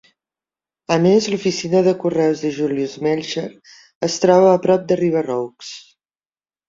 A més, l'oficina de correus de Julius Melcher es troba a prop de River Oaks.